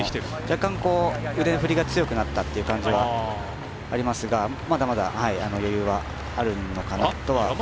若干、腕振りが強くなったという感じはありますがまだまだ余裕があるのかなとは。